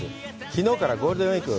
きのうからゴールデンウイーク。